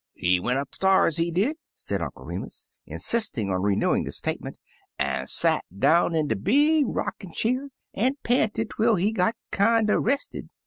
"He went up staVs, he did,'* said Uncle Remus, insisting on renewing the statement, " an' sot down in de big rockin' cheer, an' panted twel he got kinder rested.